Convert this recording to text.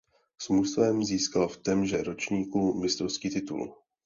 S mužstvem získal v témže ročníku mistrovský titul.